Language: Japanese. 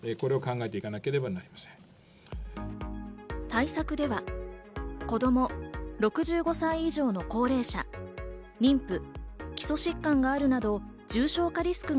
対策では子供、６５歳以上の高齢者、妊婦、基礎疾患があるなど重症化リスク